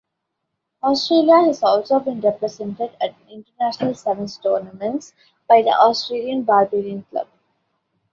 Australia has also been represented at international sevens tournaments by the Australian Barbarians club.